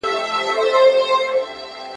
د هرات په صنعت کي د پانګي ساتنه څنګه کېږي؟